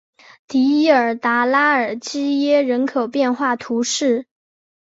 迪尔达拉尔基耶人口变化图示